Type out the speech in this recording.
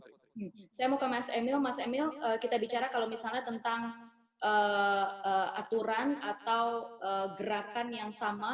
mas emil kita bicara kalau misalnya tentang aturan atau gerakan yang sama